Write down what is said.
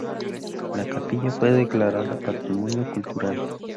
La capilla fue declarada Patrimonio Cultural.